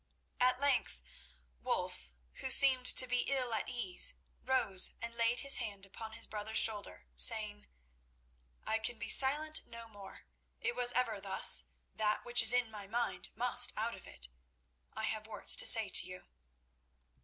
At length Wulf, who seemed to be ill at ease, rose and laid his hand upon his brother's shoulder, saying: "I can be silent no more; it was ever thus: that which is in my mind must out of it. I have words to say to you."